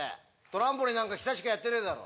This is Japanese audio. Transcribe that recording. トランポリン久しくやってねえだろ。